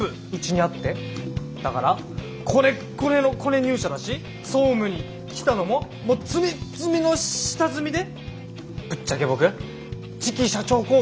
だからコネッコネのコネ入社だし総務に来たのもツミッツミの下積みでぶっちゃけ僕次期社長候補の大本命なんすよ。